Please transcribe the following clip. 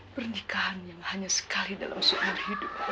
pernikahan yang hanya sekali dalam seumur hidup